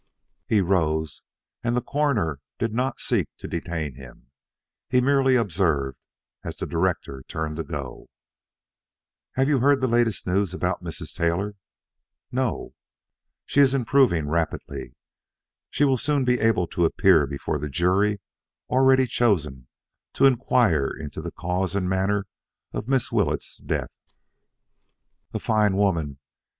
He rose, and the Coroner did not seek to detain him. He merely observed, as the director turned to go: "Have you heard the latest news about Mrs. Taylor?" "No." "She is improving rapidly. Soon she will be able to appear before the jury already chosen to inquire into the cause and manner of Miss Willetts' death." "A fine woman!"